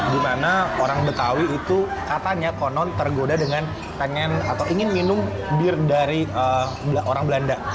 di mana orang betawi itu katanya konon tergoda dengan ingin minum bir dari orang belanda